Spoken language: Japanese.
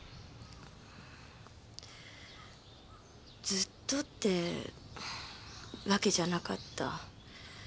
ずっとってわけじゃなかった。